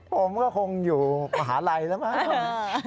ผมก็คงอยู่ปาหาลัยนะครับ